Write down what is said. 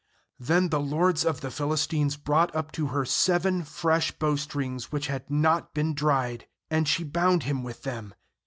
8Then the lords of the Phi listines brought uj) to her seven fresh bowstrings which ^ had not been dried, and she bound him with them.